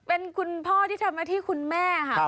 เป็นคุณพ่อที่ทำหน้าที่คุณแม่ค่ะ